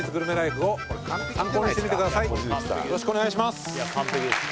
よろしくお願いします